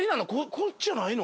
こっちじゃないの？